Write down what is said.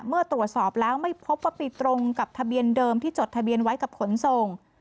เมื่อตรวจสอบแล้วไม่พบว่าไปตรงกับทะเบียนเดิมที่จดทะเบียนไว้กับขนส่ง